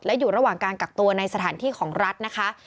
และอยู่ระหว่างการกักตัวในสถานที่ของรัฐนะคะ